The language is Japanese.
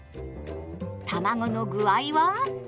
たまごの具合は？